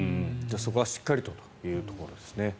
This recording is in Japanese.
そこはしっかりとというところですね。